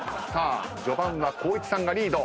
序盤は光一さんがリード。